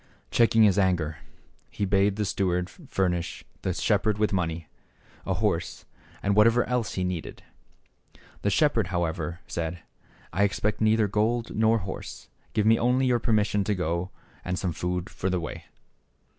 Checking his anger, he bade the steward furnish the shepherd with money, 68 THE SHEPHERD BOY. a horse and whatever else he needed. The shep herd, however, said, " I expect neither gold, nor horse ; give me only your permission to go and some food for the way